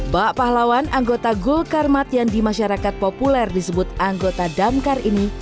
bak pahlawan anggota gul karmat yang di masyarakat populer disebut anggota damkar ini